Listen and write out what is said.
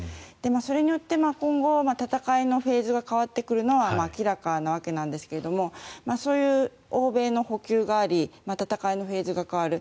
それによって今後戦いのフェーズが変わってくるのは明らかなわけなんですがそういう欧米の補給があり戦いのフェーズが変わる。